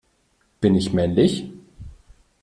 Bin ich männlich?